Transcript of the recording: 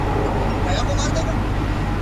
هغه غوښتل افغانستان سيال هېواد سي.